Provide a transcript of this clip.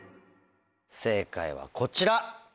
正解はこちら。